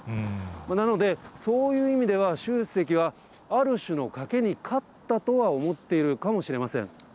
なので、そういう意味では習主席は、ある種の賭けに勝ったとは思っているかもしれません。